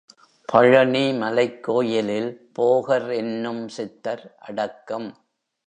பழநி மலைக் கோயிலில் போகர் என்னும் சித்தர் அடக்கம்.